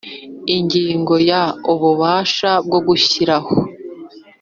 Ingingo ya Ububasha bwo gushyiraho